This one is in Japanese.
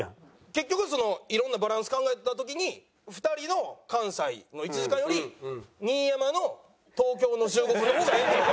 結局いろんなバランス考えた時に２人の関西の１時間より新山の東京の１５分の方がええんちゃうかみたいな。